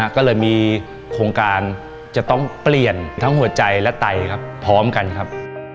ก็เลยมีโครงการจะต้องเปลี่ยนทั้งหัวใจและไตครับพร้อมกันครับ